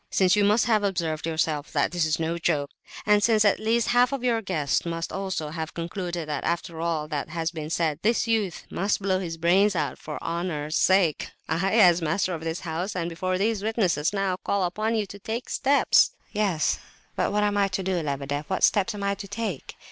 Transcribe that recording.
"Since you must have observed yourself that this is no joke, and since at least half your guests must also have concluded that after all that has been said this youth must blow his brains out for honour's sake—I—as master of this house, and before these witnesses, now call upon you to take steps." "Yes, but what am I to do, Lebedeff? What steps am I to take?